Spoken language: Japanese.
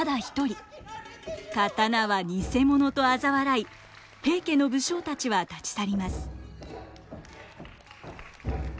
刀は偽物とあざ笑い平家の武将たちは立ち去ります。